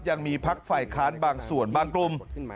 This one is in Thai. ยังมีพักฝ่ายค้านบางส่วนบางกลุ่ม